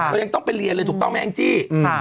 เรายังต้องไปเรียนเลยถูกต้องไหมแองจี้